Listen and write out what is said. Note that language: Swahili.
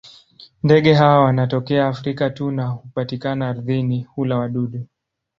Ndege hawa wanatokea Afrika tu na hupatikana ardhini; hula wadudu.